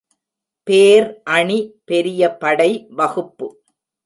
பேர் அணி பெரிய படை வகுப்பு.